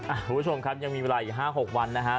คุณผู้ชมครับยังมีเวลาอีก๕๖วันนะฮะ